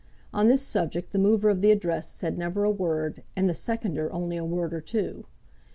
On this subject the mover of the Address said never a word, and the seconder only a word or two.